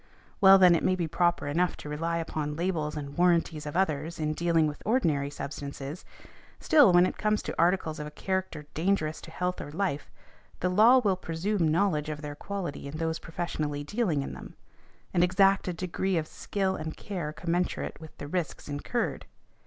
While then it may be proper enough to rely upon labels and warranties of others, |182| in dealing with ordinary substances, still when it comes to articles of a character dangerous to health or life, the law will presume knowledge of their quality in those professionally dealing in them, and exact a degree of skill and care commensurate with the risks incurred.